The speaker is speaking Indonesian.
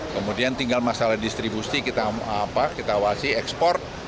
kemudian tinggal masalah distribusi kita awasi ekspor